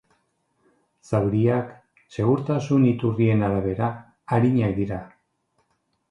Zauriak, segurtasun iturrien arabera, arinak dira.